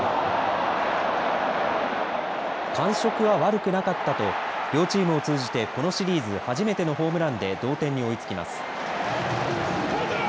感触は悪くなかったと両チームを通じてこのシリーズ初めてのホームランで同点に追いつきます。